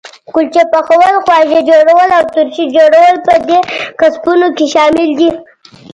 کلچې پخول، خواږه جوړول او ترشي جوړول په دې کسبونو کې شامل دي.